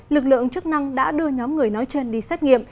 lực lượng chức năng đã đưa nhóm người nói trên đi xét nghiệm